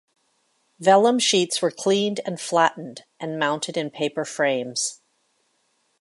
Vellum sheets were cleaned and flattened and mounted in paper frames.